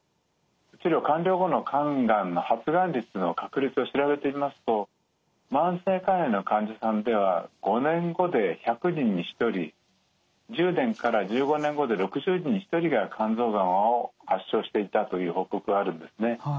治療完了後の肝がんの発がん率の確率を調べてみますと慢性肝炎の患者さんでは５年後で１００人に１人１０年から１５年後で６０人に１人が肝臓がんを発症していたという報告があるんですね。